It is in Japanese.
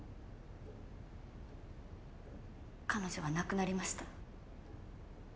彼女は亡くなりました。